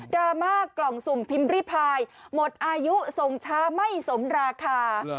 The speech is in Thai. รามากล่องสุ่มพิมพ์ริพายหมดอายุส่งช้าไม่สมราคา